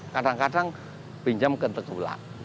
kadang kadang pinjam ke tengkulak